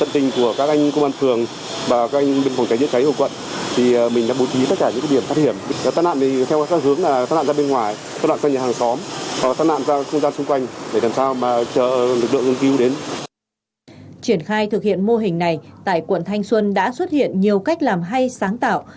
triển khai thực hiện mô hình này tại quận thanh xuân đã xuất hiện nhiều cách làm hay sáng tạo